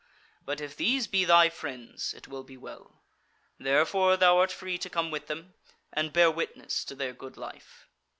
But if these be thy friends it will be well. Therefore thou art free to come with them and bear witness to their good life."